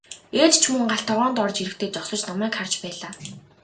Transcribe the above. Ээж ч мөн гал тогоонд орж ирэхдээ зогсож намайг харж байлаа.